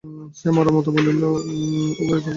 সে মড়ার মতো বলিল, ওঘরে চল বিন্দু।